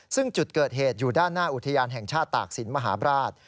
ซึ่งจุดเกิดเหตุอยู่ด้านหน้าอุทยานแห่งชาติตากศิลปราช